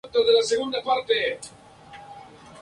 Perteneció a la Facultad de Leyes de la Universidad de Chile.